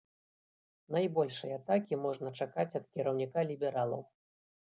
Найбольшай атакі можна чакаць ад кіраўніка лібералаў.